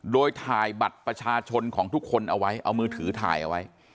โดยถ่ายบัตรประชาชนของทุกคนเอาไว้เอามือถือถ่ายเอาไว้